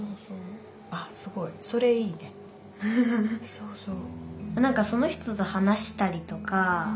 そうそう。